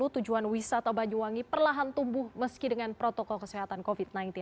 tujuan wisata banyuwangi perlahan tumbuh meski dengan protokol kesehatan covid sembilan belas